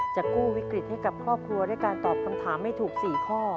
กู้วิกฤตให้กับครอบครัวด้วยการตอบคำถามให้ถูก๔ข้อ